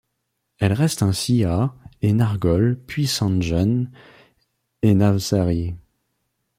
Elle reste ainsi à et Nargol puis à Sanjan et Navsari.